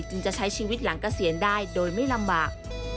จะใช้ชีวิตหลังเกษียณได้โดยไม่ลำบาก